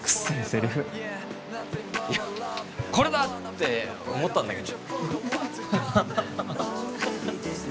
いやこれだ！って思ったんだけど。